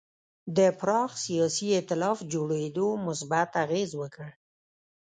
د پراخ سیاسي اېتلاف جوړېدو مثبت اغېز وکړ.